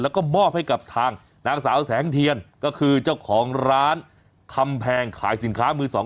แล้วก็มอบให้กับทางนางสาวแสงเทียนก็คือเจ้าของร้านคำแพงขายสินค้ามือสอง